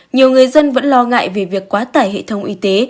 nhiều người dân vẫn lo ngại về việc quá tải hệ thống y tế